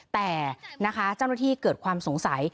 แต่นะคะเจ้าหน้าที่เกิดความสงสัย